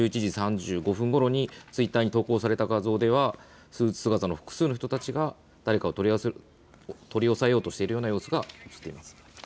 ツイッターに投稿された画像ではスーツ姿の複数の人たちが誰かを取り押さえようとしているような様子がうつっています。